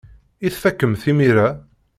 I tfakem-t imir-a?